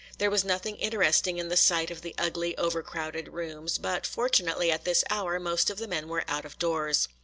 There was nothing interesting in the sight of the ugly, over crowded rooms; but fortunately at this hour most of the men were out of doors.